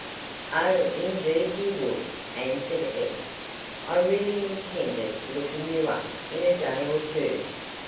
"Oh, indeed you would," answered Ed. "I really intended looking you up in a day or two.